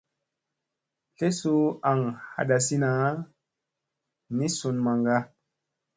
Sle suu aŋ hadazina ni sun maŋga.